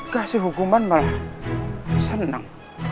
kasih hukuman malah senang